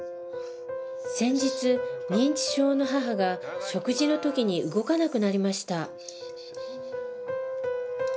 先日認知症の母が食事の時に動かなくなりました